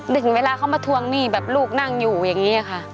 ถึงเวลาเขามาทวงหนี้แบบลูกนั่งอยู่อย่างนี้ค่ะ